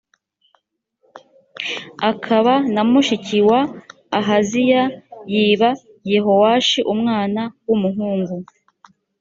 akaba na mushiki wa ahaziya yiba yehowashi umwana w’umuhungu